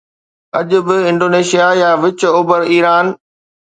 اڄ به انڊونيشيا يا وچ اوڀر ايران